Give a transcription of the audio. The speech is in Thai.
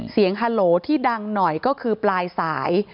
ฮาโหลที่ดังหน่อยก็คือปลายสาย